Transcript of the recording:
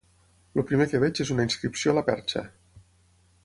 El primer que veig és una inscripció a la perxa.